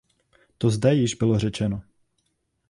To zde již bylo řečeno.